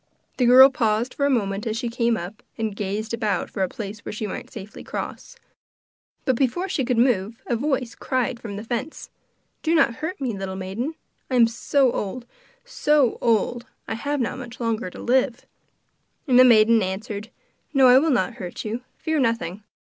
The girl paused for a moment as she came up, and gazed about for a place where she might safely cross. But before she could move a voice cried from the fence: 'Do not hurt me, little maiden; I am so old, so old, I have not much longer to live.' And the maiden answered: 'No, I will not hurt you; fear nothing.